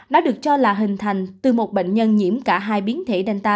nó được cho là hình thành từ một bệnh nhân nhiễm cả hai biến thể danta